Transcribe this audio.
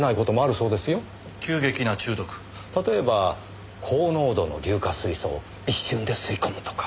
例えば高濃度の硫化水素を一瞬で吸い込むとか。